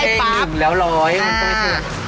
มันไม่ใช่หนึ่งแล้วร้อยมันก็ไม่ขึ้น